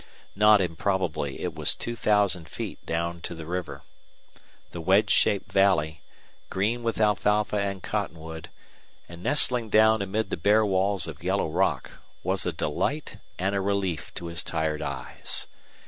Not improbably it was two thousand feet down to the river. The wedge shaped valley, green with alfalfa and cottonwood, and nestling down amid the bare walls of yellow rock, was a delight and a relief to his tired eyes.